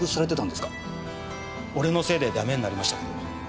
俺のせいでダメになりましたけど。